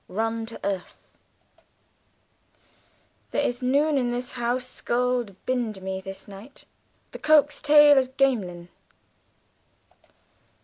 Run to Earth "The is noon in this hous schuld bynde me this night." _The Coke's Tale of Gamelyn.